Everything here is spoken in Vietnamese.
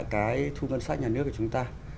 cái thu ngân sách nhà nước của chúng ta